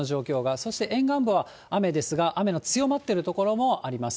そして沿岸部は雨ですが雨の強まっている所もあります。